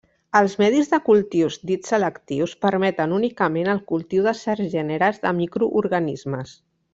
Els medis de cultius dits selectius permeten únicament el cultiu de certs gèneres de microorganismes.